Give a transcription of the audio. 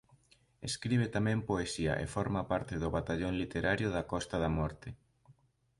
Escribe tamén poesía e forma parte do Batallón Literario da Costa da Morte.